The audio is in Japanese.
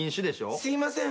私すいません。